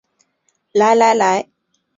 来来来